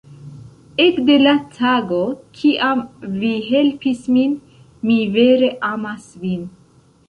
Ekde la tago kiam vi helpis min, mi vere amas vin.